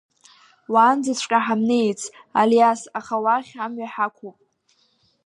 Уаанӡаҵәҟьа ҳамнеиц, Алиас, аха уахь амҩа ҳақәуп.